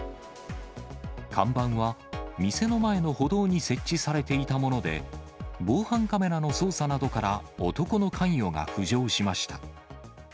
看板は、店の前の歩道に設置されていたもので、防犯カメラの捜査などから、男の関与が浮上しました。